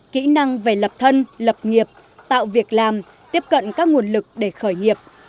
kỹ năng về lập thân lập nghiệp tạo việc làm tiếp cận các nguồn lực để khởi nghiệp